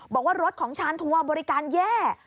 บอกว่ารถของชาญทัวร์บริการแย่